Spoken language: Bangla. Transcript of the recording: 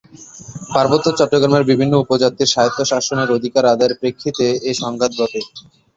পার্বত্য চট্টগ্রামের বিভিন্ন উপজাতির স্বায়ত্তশাসনের অধিকার আদায়ের প্রেক্ষিতে এ সংঘাত ঘটে।